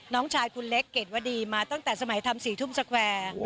น้องชายคุณเล็กเกรดวดีมาตั้งแต่สมัยทำ๔ทุ่มสแควร์